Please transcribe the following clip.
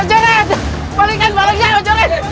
pak jorid balikan saya pak jorid